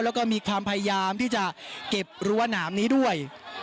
แล้วก็มีความพยายามที่จะเก็บรั้วหนามนี้ด้วย